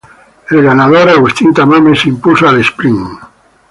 El ganador Agustín Tamames se impuso al sprint.